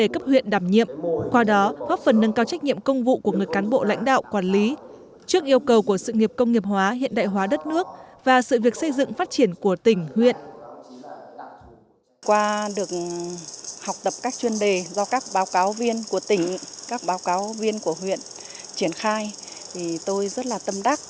các báo cáo viên của huyện triển khai tôi rất là tâm đắc